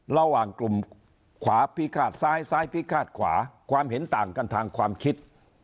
ระหว่างกลุ่มขวาพิฆาตซ้ายซ้ายพิฆาตขวาความเห็นต่างกันทางความคิด